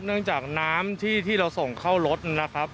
เนื่องจากน้ำที่เราส่งเข้ารถนะครับ